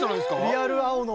リアル青野。